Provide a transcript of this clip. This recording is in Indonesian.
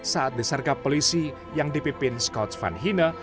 saat disergap polisi yang dipimpin scott van hine